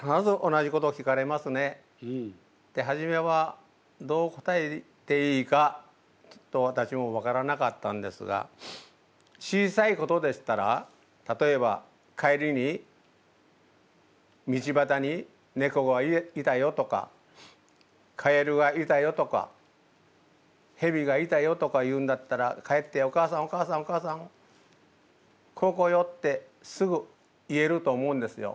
初めはどう答えていいか私も分からなかったんですが小さいことでしたら例えば「帰りに道ばたにネコがいたよ」とか「カエルがいたよ」とか「ヘビがいたよ」とか言うんだったら帰って「お母さんお母さんお母さんこうこうよ」ってすぐ言えると思うんですよ。